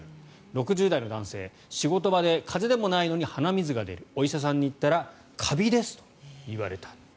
６０代の男性仕事場で風邪でもないのに鼻水が出るお医者さんに行ったらカビですと言われた。